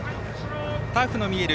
ターフの見える